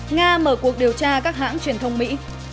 nga mở cuộc điều tra các hãng truyền thông mỹ